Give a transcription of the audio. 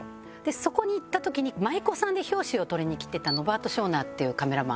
そこに行った時に舞妓さんで表紙を撮りに来てたノーバート・ショーナーっていうカメラマン。